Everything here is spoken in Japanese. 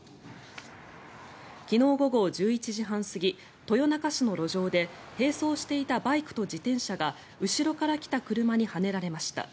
昨日午後１１時半過ぎ豊中市の路上で並走していたバイクと自転車が後ろから来た車にはねられました。